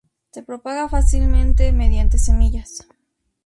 Se propaga fácilmente mediante semillas.